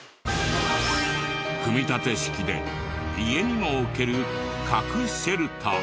組み立て式で家にも置ける核シェルター！